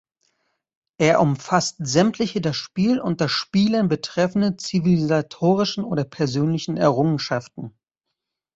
Er umfasst sämtliche das Spiel und das Spielen betreffende zivilisatorischen oder persönlichen Errungenschaften.